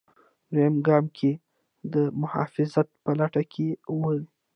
دویم ګام کې د محافظت په لټه کې وي.